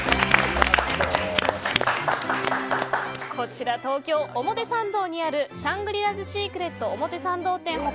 こちら東京・表参道にあるシャングリラズシークレット表参道店他